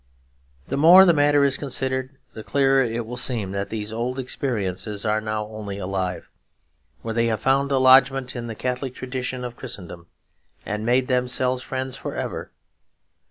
The more the matter is considered the clearer it will seem that these old experiences are now only alive, where they have found a lodgment in the Catholic tradition of Christendom, and made themselves friends for ever.